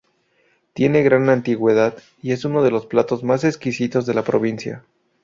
Tiene gran antigüedad y es uno de los platos más exquisitos de la provincia.